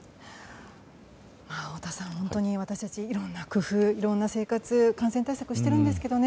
太田さん、本当に私たちいろんな工夫感染対策しているんですけどね。